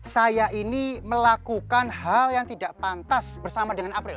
saya ini melakukan hal yang tidak pantas bersama dengan april